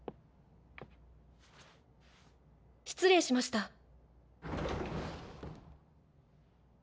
失礼しました。